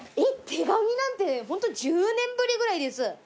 手紙なんてホント１０年ぶりぐらいです。